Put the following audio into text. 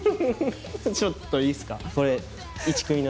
ちょっといいっすか。